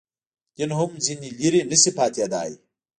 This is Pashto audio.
دین هم ځنې لرې نه شي پاتېدای.